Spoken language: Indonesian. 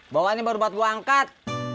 bawahnya baru buat gua angkat